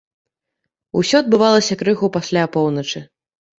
Усё адбывалася крыху пасля апоўначы.